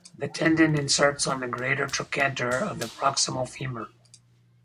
The tendon inserts on the greater trochanter of the proximal femur.